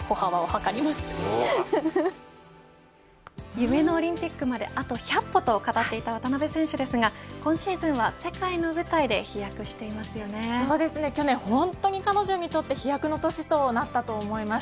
夢のオリンピックまであと１００歩と語っていた渡辺選手ですが今シーズンは世界の舞台で去年本当に彼女にとって飛躍の年となったと思います。